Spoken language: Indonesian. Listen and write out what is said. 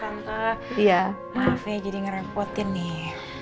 iya maaf ya jadi ngerepotin nih